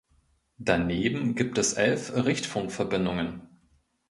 Daneben gibt es elf Richtfunkverbindungen.